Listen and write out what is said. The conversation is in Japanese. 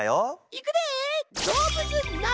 いくで！